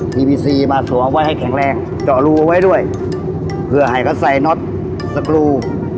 ทีวีซีมาสวมไว้ให้แข็งแรงเจาะรูเอาไว้ด้วยเพื่อให้เขาใส่น็อตสกรู